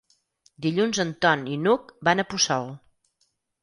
Dilluns en Ton i n'Hug van a Puçol.